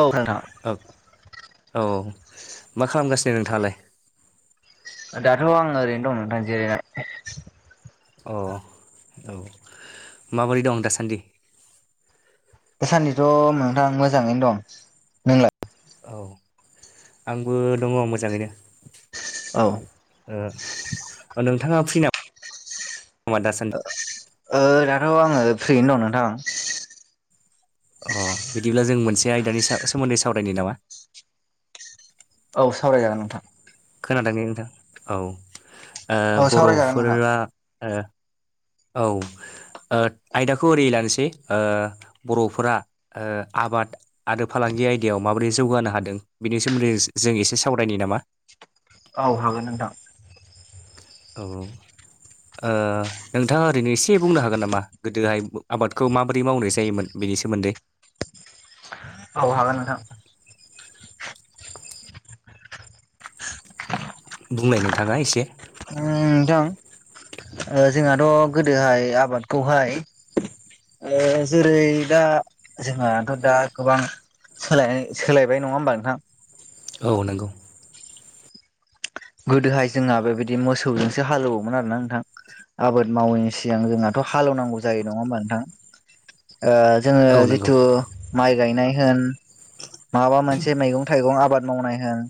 औ नोंथां। ओ औ मा खालामगासिनो नोंथाङालाय? दाथ' आं ओरैनो दं नोंथां जिरायनानै। अ औ माबोरै दं दासान्दि? दासान्दिथ' नोंथां मोजाङैनो दं। नोंलाय? औ आंबो दङ मोजाङैनो। औ। ओ नोंथाङा फ्रि नामा दासान्दि? ओ दाथ' आङो फ्रियैनो दं नोंथां। अ बिदिब्ला जों मोनसे आयदानि सा-सोमोन्दै सावरायनि नामा औ सावरायजागोन नोंथां। खोनादों ने नोंथां औ औ सावरायजागोन नोंथां। बर'फोरा औ। ओ आयदाखौ ओरै लानोसै बर'फोरा ओ आबाद आरो फालांगि आयदायाव माबोरै जौगानो हादों बेनि सोमोन्दै जों एसे सावरायनि नामा? औ हागोन नोंथां। औ औ। नोंथाङा ओरैनो एसे बुंनो हागोन नामा गोदोहाय आबादखौ माबोरै मावनाय जायोमोन। बिनि सोमोन्दै औ हागोन नोंथां। बुंलाय नोंथाङा एसे ओं नोंथां जोंहाथ' गोदोहाय आबादखौहाय ओ जेरै दा जोंहाथ' दा गोबां सोलायनाय नङा होमबा नोंथां? औ नंगौ। गोदोहाय जोंना बेबायदि मोसौजोंसो हालेवोमोन आरो ना नोंथां। आबाद मावैनि सिगां जोंहाथ' हालौनांगौ जायो नङा होमबा नोंथां? जोङो औ नंगौ जिथु माइ गायनाय होन माबा मोनसे मैगं थाइगं आबाद मावनाय होन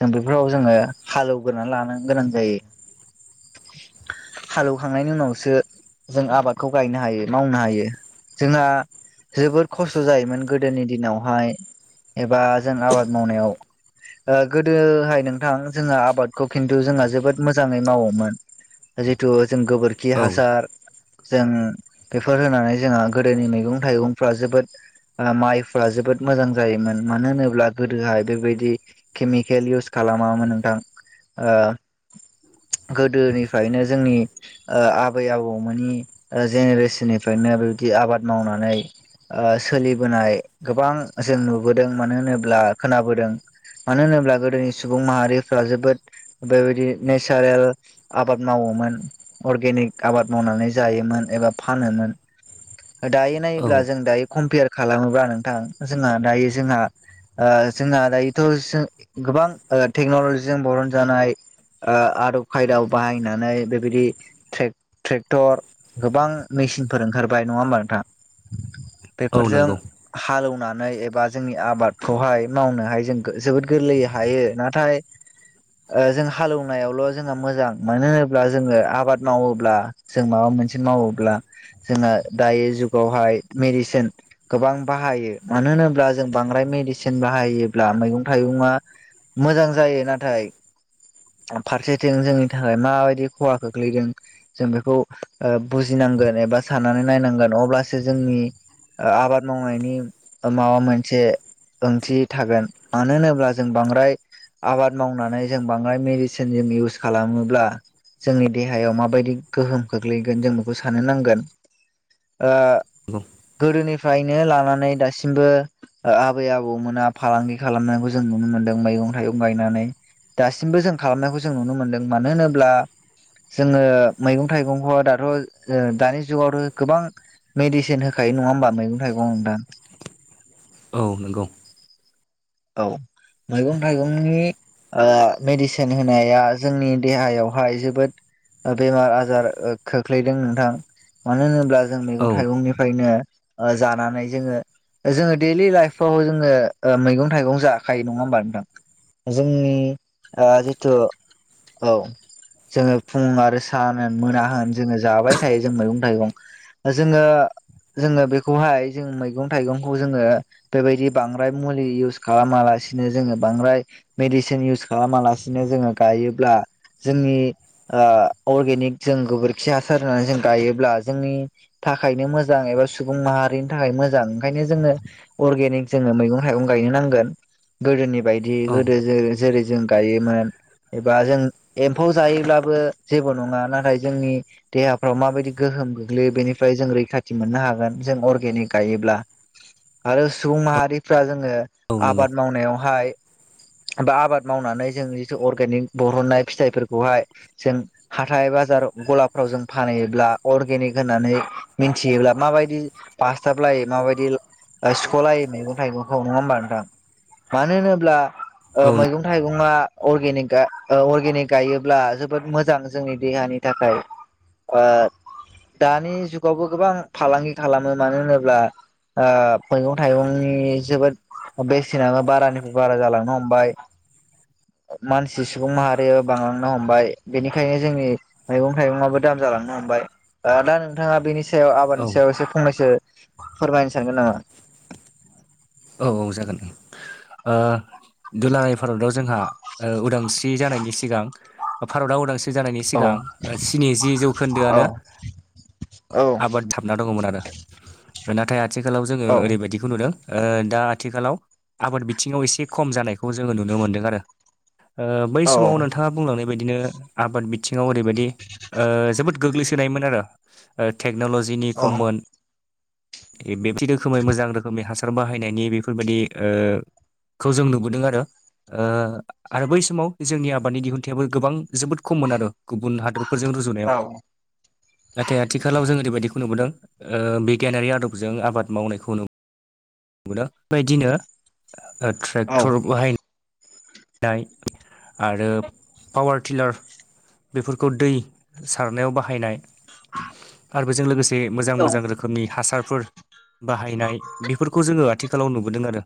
जों बेफोराव जोङो हालेवगोरनानै लानो गोनां जायो। [inaudible] हालेवखांनायनि उनावसो जों आबादखौ गायनो हायो मावनो हायो जोंहा जोबोर खस्थ' जायोमोन गोदोनि दिनावहाय एबा जों आबाद मावनायाव गोदोहाय नोंथां जोंहा आबादखौ खिन्थु जोंहा जोबोद मोजाङै मावोमोन जिथु जों गोबोरखि खि औ हासार जों बेफोर होनानै जोंहा गोदोनि मैगं थाइगंफ्रा जोबोद माइफोरा जोबोद मोजां जायोमोन मानो होनोब्ला गोदोहाय बेबायदि केमिकेल इउस खालामामोन नोंथां गोदोनिफ्रायनो जोंनि ओआबै आबौमोननि जेनेरेसननिफ्रायनो बेबायदि आबाद मावनानै ओ सोलिबोनाय गोबां जों नुबोदों मानो होनोब्ला खोनाबोदों मानो होनोब्ला गोदोनि सुबुं माहारिफ्रा जोबोद बेबायदि नेचारेल आबाद मावोमोन अरगेनिक आबाद मावनानै जायोमोन एबा फानोमोन दायो नायोब्ला औ जों दायो कम्पेयार खालामोब्ला नोंथां जोंहा दायो जोंहा जोंहा दायोथ' जों गोबां टेक्नलजिजों बरन जानाय आदब खायदायाव बाहायनानै बेबायदि ट्रेक्टर गोबां मेसिनफोर ओंखारबाय नङा होमबा नोंथां [inaudible] बेफोरजों हालौवनानै एबा जोंनि आबादखौहाय मावनोहाय जों जोबोद गोरलै हायो नाथाय जों हालेवनायावल' जोंहा मोजां मानो होनोब्ला जोङो आबाद मावोब्ला जों माबा मोनसे मावोब्ला जोंहा दायो जुगावहाय मेडिसिन गोबां बाहायो मानो होनोब्ला जों बांद्राय मेडिसिन बाहायोब्ला मैगं थाइगंङा मोजां जायो नाथाय फारसेथिं जोंनि थाखाय माबायदि खहा खोख्लैदों जों बेखौ बुजिनांगोन एबा साननानै नायनांगोन अब्लासो जोंनि आबाद मावनायनि माबा मोनसे ओंथि थागोन मानो होनोब्ला जों बांद्राय आबाद आबाद मावनानै जों बांद्राय मेडिसिन जों इउस खालामोब्ला जोंनि देहायाव माबायदि गोहोम खख्लैगोन जों बेखौ सान नांगोन। ओ नंगौ गोदोनिफ्रायनो लानानै दासिमबो आबै आबौमोना फालांगि खालामनायखौ जों नुनो मोन्दों मैगं थाइगं गायनानै। दासिमबो जों खालामनायखौ जों नुनो मोनदों मानो होनोब्ला जोङो मैगं थाइगंखौ दाथ' ओ दानि जुगावथ' गोबां मेडिसिन होखायो नङा होनोमबा मैगं थाइगं दा औ नंगौ। औ मैगं थाइगंनि ओ मेडिसिन होनाया जोंनि देहायावहाय जोबोद बेमार आजार खोख्लैदों नोंथां। मानो होनोब्ला जों औ मैगं थाइगंनिफ्रायनो जानानै जोङो जोङो डेलि लाइफाव जोङो ओ मैगं थाइगं जाखायो नङा होमबा नोंथां जोंनि जिथु औ जोङो फुं आरो सान होन मोना होन जोङो जाबाय थायो जों मैगं थाइगं। जोङो जोङो बेखौहाय जों मैगं थाइगंखौ जोङो बेबायदि बांद्राय मुलि इउस खालामालासिनो जोङो बांद्राय मेडिसिन इउस खालामा लासिनो जोङो गायोब्ला जोंनि ओ अर्गेनिक जों गोबोरखि हासार होननानै जों गायोब्ला जोंनि थाखायनो मोजां एबा सुबुं माहारिनि थाखाय मोजां ओंखायनो जोङो अर्गेनिक जोङो मैगं थाइं गायनो नां गोदोनि बायदि औ गोदो ज जेरै जों गायोमोन एबा जों एम्फौ जायोब्लाबो जेबो नङा नाथाय जोंनि देहाफ्राव माबायदि गोहोम गोग्लैयो बेनिफ्राय जों रैखाथि मोननो हागोन जों अर्गेनिक गायोब्ला। आरो सुबुं माहारिफ्रा जोङो औ नंगौ आबाद मावनायावहाय बा आबाद मावनानै जों जिथु अर्गेनिक बरहननाय फिथाइफोरखौहाय जों हाथाय बाजार गलाफ्राव जों फानहैयोब्ला अरगेनिक होननानै मिथियोब्ला माबायदि बास्थाब लायो माबायदि ओ सिख' लायो मैगं थाइगंखौ नङा होमबा नोंथां मानो होनोब्ला ओ औ मैगं थाइगं अनिक ओ अर्गेनिक गायोब्ला जोबोद मोजां जोंनि देहानि थाखाय ओ दानि जुगावबो गोबां फालांगि खालामो मानो होनोब्ला ओ मैगं थाइगंनि जोबोद बेसेनाबो बारानिफ्राय बारा जालांनो हमबाय। मानसि सुबुं माहारिया बांलांनो हमबाय बेनिखायनो जोंनि मैगं थाइगंआबो दाम जालांनो हमबाय ओ दा नोंथांङा बेनि सायाव औ आबादनि सायाव एसे फंनैसो फोरमायनो सानगोन नामा? औ औ जागोन ओ दुलाराय भारताव जोंहा ओ उदांस्रि जानायनि सिगां भारतआ उदांस्रि जानायनि औ सिगां ओ स्निजि औ जौखोन्दोआनो औ आबाद नां थाबना दंङमोन आरो नाथाय आथिखालाव जोंङो औ ओरैबायदिखौ नुदों ओ दा आथिखालाव आबाद बिथिंङाव एसे खम जानायखौ जोंङो नुनो मोनदों आरो ओ बै औ समाव थांङा बुंलांनाय बायदिनो आबाद बिथिंङाव ओरैबायदि ओ जोबोद गोग्लैसोनायमोन आरो। ओ टेक्न'ल'जिनि औ खममोन। बेकथि रोखोमै मोजां रोखोमनि हासार बाहायनायनि बेफोरबायदि ओ खौ जों नुबोदों आरो ओ आरो बै समाव जोंनि आबादनि दिहुन्थायबो गोबां जोबोद खममोन आरो गुबुन हादोरफोरजों औ रुजुनायाव। नाथाय आथिखालाव जों ओरैबायदिखौ नुबोदों ओ बिगियानारि आदबजों आबाद मावनायखौ नु दों। बेबायदिनो ओ औ ट्रेक्टर बाहाय आरो पावार टिलार बेफोरखौ दै सारनायाव बाहायनाय आरो बेजों लोगोसे मोजां मोजां रोखो मनि हासारफोर बाहायनाय बेफोरखौ जोंङो आथिखालाव नुबोदों आरो।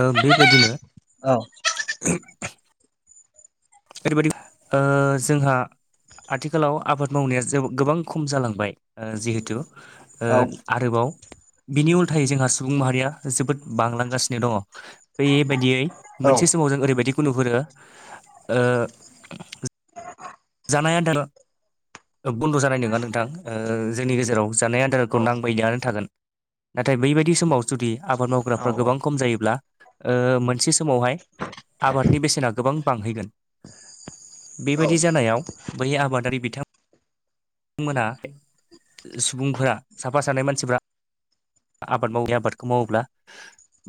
ओ बेबायदिनो औ ओ ओरैबायदि ओ जोंहा आथिखालाव आबाद मावनाया जो-गोबां खम जालांबाय जिहेथु ओ आरोबाव बिनि उल्थायै जोंहा सुबुं माहारिया जोबोद बांलांगासिनो दंङ। बेबायदियै मोनसे समाव जों ओरैबायदिखौ नुहुरो ओ जानाय आदार ओ बन्द' जानाय नोङा नोंथां ओ जोंनि गेजेराव जानाय आ दारखौ नांबायानो थागोन नाथाय बैबायदि समाव जुदि आबाद मावग्राफ्रा गोबां खम जायोब्ला ओ मोनसे समावहाय आबादनि बेसेना गोबां बांहैगोन। बेबायदि जानायाव बै आबादारि बिथां मोना सुबुंफोरा साफा सानै मानसिफोरा आबाद मावै आबादखौ मावोब्ला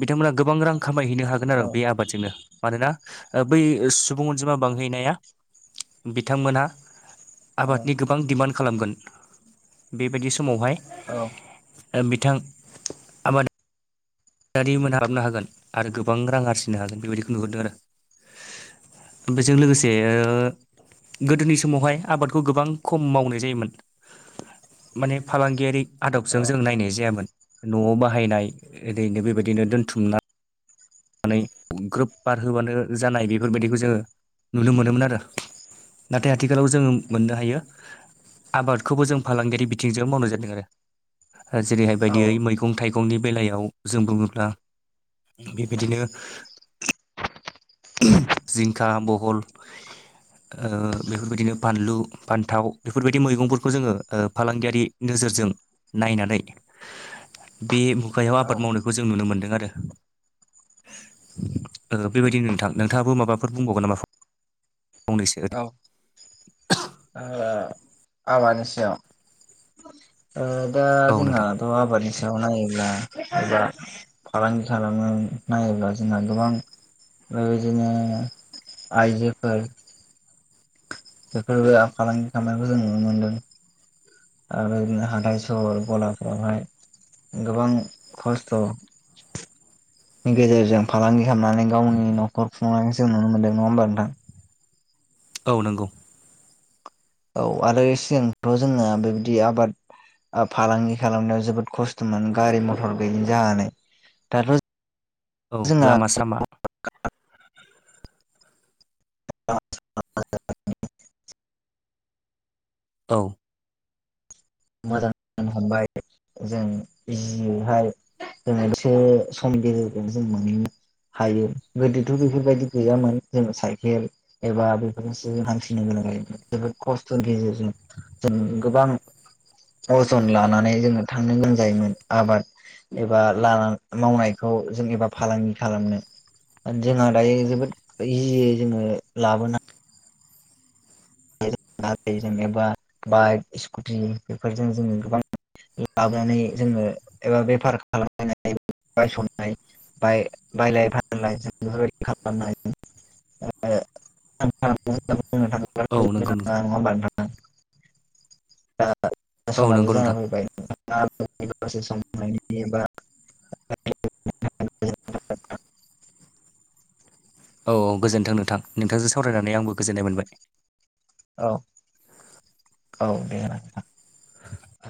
बिथांमोना गोबां रां खामायहैनो हा गोन आरो बे आबादजोंनो मानोना ओ बै सुबुं अनजिमा बांहैनाया बिथांमोना आबादनि गोबां दिमान्ड खालामगोन बेबायदि समावहाय बिथां आबाद [unintelligible] हागोन आरो गोबां रां आरजिनो हागोन बेबायदिखौ नुहुरदों आरो बेजों लोगोसे ओ गोदोनि समावहाय आबादखौ गोबां खम मावनाय जायोमोन माने फालांगियारि आदबजों जों नायनाय जायामोन न'आव बाहायनाय ओरैनो बेबायदिनो दोनथुमनानै नानै ग्रोब बार होबानो जानाय बेफोरबायदिखौ जोंङो नुनो मोनोमोन आरो नाथाय आथिखालाव जोंङो मोननो हायो आबादखौबो जों फालांगियारि बिथिंजों मावनाय जादों आरो ओ जेरैहाय औ बायायदियै मैगं थाइगंनि बेलायाव जों बुंङोब्ला बिदिनो जिंखा बहल ओ बेफोरबायदिनो बानलु फान्थाव बेफोरबायदि मैगंफोरखौ जोङो ओ फालांगियारि नोजोरजों नायनानै बे मुगायाव औ आबाद मावनो खौ जों नुनो मोनदों आरो ओ बेबायदिनो थां नोंथाङाबो माबाफोर बुंबावगोन नामा फंनैसो औ ओ आबादनि सायाव। ओ दा औ नोंथां जोंनाथ' आबादनि सायाव नायोब्ला दा फालांगि खालामनो नायोब्ला जोंना गोबां ओमफ्राय इदिनो आइजोफोर [unintelligible] फालांगि खालामनायखौ जों नुनो मोन्दों। आरो जोङो हाथाइ सहर गलाफ्रावहाय गोबां खस्थ' नि गेजेरजों फालांगि खामनानै गावनि न'खर खुंनायखौ जों नुनो मोन्दों नङा होमबा नोंथां औ नंगौ। औ आरो सिगांथ' जोंना बेबायदि आबाद ओ फालांगि खालामनायाव जोबोद खस्थ'मोन गारि मथर गैयि जानानै दाथ' औ जोंहा लामा सामा। [unintelligible] औ। मोजां [unintelligible] हमबाय जों इजिहायैहाय जों मोनसे समनि गेजेरजों मोनहैयो हायो गोदोथ' बेफोरबायदि गैयामोन जेन साइकेल एबा बेफोरजोंसो हान्थिनो गोनां जायोमोन जोबोद खस्थ'नि गेजेरजों जों गोबां अजन लानानै जोङो थांनो गोनां जायोमोन आबाद एबा लाना मावनायखौ जों एबा फालांगि खालामनो [unintelligible] दायो जोबोद इजियै जोङो लाबोनो [unintelligible] बाइक स्कुटि बेफोरजों जोङो गोबां लाबोनानै जोङो एबा बेफार खालामनाय [unintelligible] बाय बालाय फानलाय जों बेफोरबायदि खालामनो हायोमोन [unintelligible] औ नोंगौ नोंथां। नङा ओमबा नोंथां दा औ समाबो नंगौ जाना नोंथां फैबाय। [unintelligible] औ औ गोजोन्थों नोंथां नोंथांजों सावरायनानै आंबो गोजोननाय मोनबाय। औ औ दे नोंथां। [inaudible]